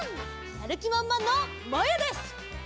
やるきまんまんのまやです！